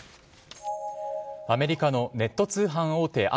アメリカのネット通販大手